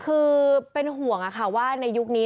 คือเป็นห่วงค่ะว่าในยุคนี้